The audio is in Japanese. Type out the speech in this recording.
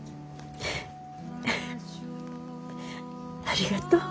ありがとう。